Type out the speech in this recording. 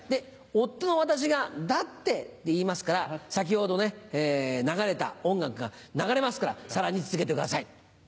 夫の私が「だって」って言いますから先ほど流れた音楽が流れますからさらに続けてください。